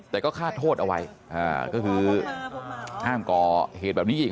แต่ก็คาดโทษเอาไว้ก็คือห้ามก่อเหตุแบบนี้อีก